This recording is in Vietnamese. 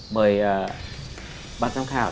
mời ban giám khảo